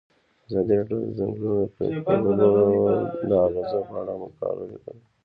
ازادي راډیو د د ځنګلونو پرېکول د اغیزو په اړه مقالو لیکلي.